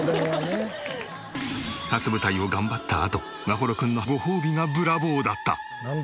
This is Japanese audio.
初舞台を頑張ったあと眞秀君のごほうびがブラボーだった！